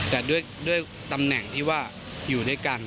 แต่ด้วยตำแหน่งที่ว่าอยู่ด้วยกัน